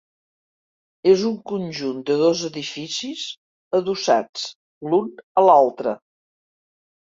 És un conjunt de dos edificis, adossats l'un a l'altre.